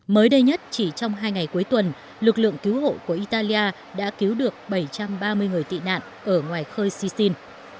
mới đây nhất chỉ trong hai ngày cuối tuần lực lượng cứu hộ của italia đã cứu được bảy trăm ba mươi người tị nạn ở ngoài khơi sisin